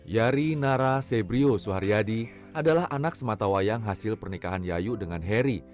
yari nara sebrio suharyadi adalah anak sematawayang hasil pernikahan yayu dengan heri